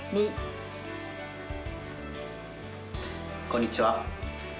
こんにちは。